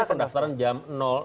pendaftaran jam